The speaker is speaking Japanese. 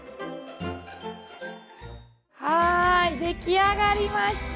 はい出来上がりました。